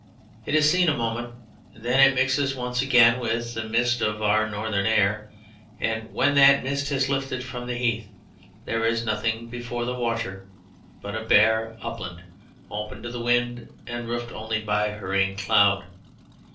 It is seen a moment then it mixes once again with the mist of our northern air, and when that mist has lifted from the heath there is nothing before the watcher but a bare upland open to the wind and roofed only by hurrying cloud.